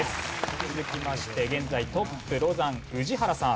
続きまして現在トップロザン宇治原さん。